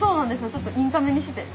ちょっとインカメにしてて。